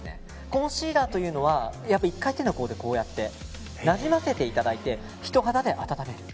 コンシーラーというのは１回、手の甲でなじませていただいてひと肌で温める。